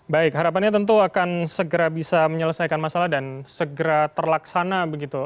baik harapannya tentu akan segera bisa menyelesaikan masalah dan segera terlaksana begitu